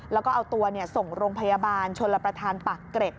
แล้วก็เอาตัวส่งโรงพยาบาลชนลประธานปากเกร็ด